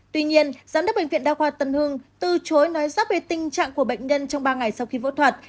tuy nhiên giám đốc bệnh viện đa khoa tân hưng từ chối nói sắc về tình trạng của bệnh nhân trong ba ngày sau khi phẫu thuật